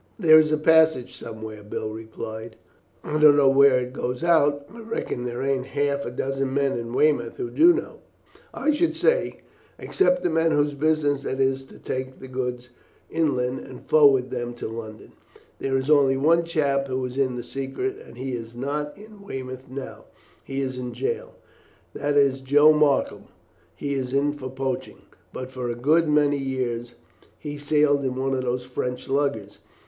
"There is a passage somewhere," Bill replied. "I don't know where it goes out. I reckon there ain't half a dozen men in Weymouth who do know. I should say, except the men whose business it is to take the goods inland and forward them to London, there is only one chap who is in the secret; and he is not in Weymouth now he is in jail. That is Joe Markham. He is in for poaching. But for a good many years he sailed in one of those French luggers.